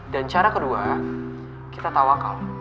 dan cara kedua kita tawa kau